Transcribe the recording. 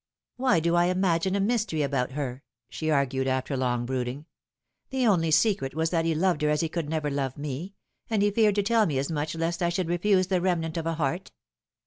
" Why do I imagine a mystery about her ?" she argued, after long brooding. " The only secret was that he loved her as he could never love me, and he feared to tell me as much lest I should refuse the remnant of a heart.